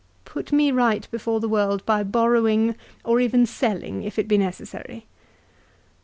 Put me right before the world by borrowing, or even by selling, if it be necessary."